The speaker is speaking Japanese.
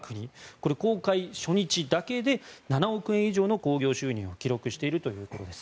これ、公開初日だけで７億円以上の興行収入を記録しているということです。